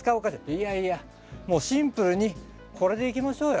いやいやもうシンプルにこれでいきましょうよ。